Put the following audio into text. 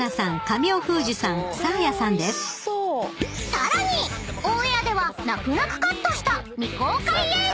［さらにオンエアでは泣く泣くカットした］